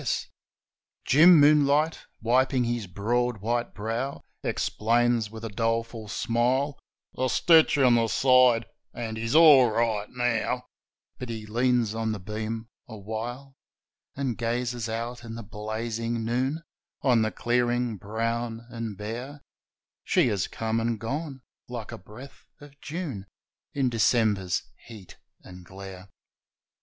54 TO THE SHEARING SHED Jim Moonlight, wiping his broad, white brow, Explains, with a doleful smile : 1 A stitch in the side,' and ' he's all right now ' But he leans on the beam awhile, And gazes out in the blazing noon On the clearing, brown and bare She has come and gone, like a breath of June, In December's heat and glare.